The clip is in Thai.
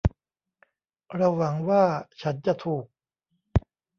เราหวังว่าฉันจะถูก